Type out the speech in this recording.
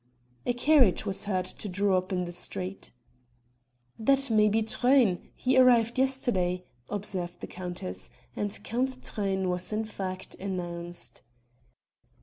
A carriage was heard to draw up in the street. "That may be Truyn, he arrived yesterday," observed the countess, and Count Truyn was in fact announced.